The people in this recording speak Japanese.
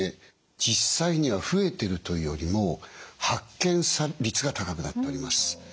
実際には増えているというよりも発見率が高くなっております。